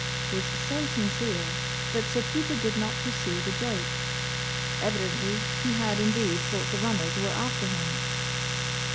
was so sincere that Sir Peter did not pursue the joke. Evidently he had indeed thought the runners were after him.